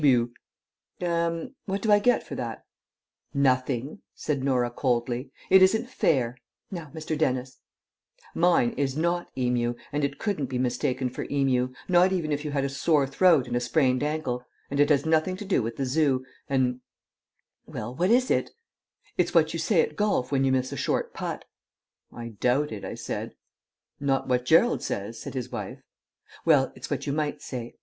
Er what do I get for that?" "Nothing," said Norah coldly. "It isn't fair. Now, Mr. Dennis." "Mine is not Emu, and it couldn't be mistaken for Emu; not even if you had a sore throat and a sprained ankle. And it has nothing to do with the Zoo, and " "Well, what is it?" "It's what you say at golf when you miss a short putt." "I doubt it," I said. "Not what Gerald says," said his wife. "Well, it's what you might say.